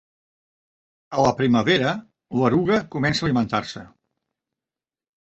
A la primavera, l'eruga comença a alimentar-se.